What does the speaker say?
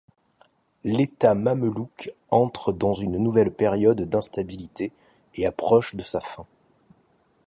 L'État mamelouk entre dans une nouvelle période d'instabilité et approche de sa fin.